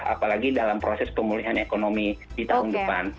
apalagi dalam proses pemulihan ekonomi di tahun depan